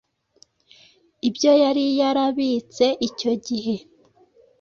ibyo yari yarabitse icyo gihe